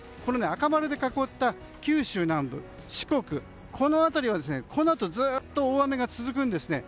赤丸で囲った九州南部、四国などこの辺りはこのあとずっと大雨が続くんですね。